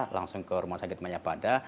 langsung ke rumah sakit mayapada